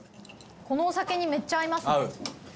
このお酒にめっちゃ合いますね。